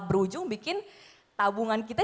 berujung bikin tabungan kita